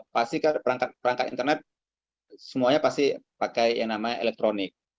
pasti kan perangkat perangkat internet semuanya pasti pakai yang namanya elektronik